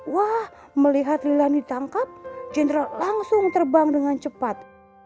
wah melihat lila ditangkap general langsung terbang dengan cepat